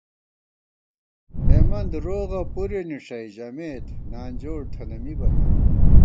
ہېمند روغہ پُرے نِݭَئ ژَمېت نانجوڑ تھنہ مِبَہ نا